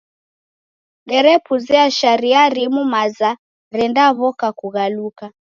Derepuzia sharia rimu maza rendaw'oka kughaluka.